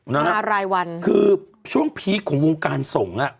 มารายวันคือช่วงพีคของวงการสงฆ์อ่ะ